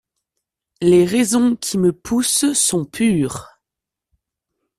Les raisons qui me poussent sont pures.